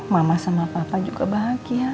mama sama papa juga bahagia